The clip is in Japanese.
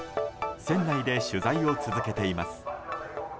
船内で取材を続けています。